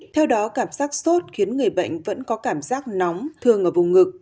theo đó cảm giác sốt khiến người bệnh vẫn có cảm giác nóng thường ở vùng ngực